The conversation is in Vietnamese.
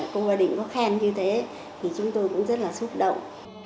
cô ba định có khen như thế thì chúng tôi cũng rất là xúc động